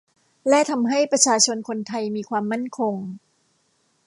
และทำให้ประชาชนคนไทยมีความมั่นคง